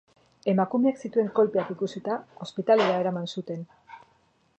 Emakumeak zituen kolpeak ikusita, ospitalera eraman zuten.